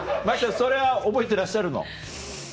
それは覚えてらっしゃるの？